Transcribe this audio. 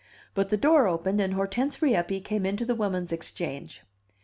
But the door opened, and Hortense Rieppe came into the Woman's Exchange.